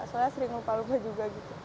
soalnya sering lupa lupa juga gitu